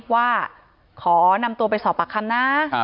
ว่าขอนำตัวไปสอบปากคำนะ